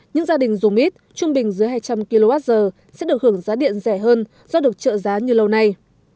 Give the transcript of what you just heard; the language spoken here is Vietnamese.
những gia đình dùng ít trung bình dưới hai trăm linh kwh sẽ được hưởng giá điện rẻ hơn do được trợ giá như lâu nay